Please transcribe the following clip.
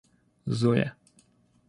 Зоя